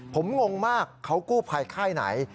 ผมงงมากเขากู้ภัยค่ายไหน